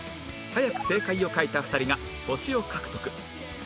早く正解を書いた２人が星を獲得